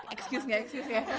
excuse nggak excuse ya